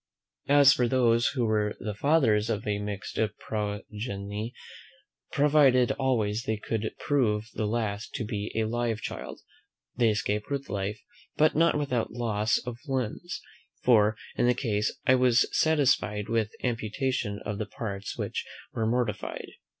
As for those who were the fathers of a mixed progeny, provided always they could prove the last to be a live child, they escaped with life, but not without loss of limbs; for, in this case, I was satisfied with amputation of the parts which were mortified.